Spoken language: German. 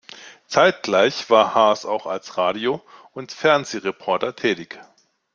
Zeitgleich war Haas auch als Radio- und Fernsehreporter tätig.